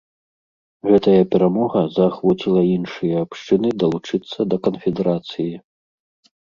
Гэтая перамога заахвоціла іншыя абшчыны далучыцца да канфедэрацыі.